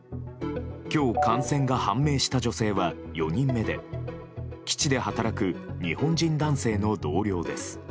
今日感染が判明した女性は４人目で基地で働く日本人男性の同僚です。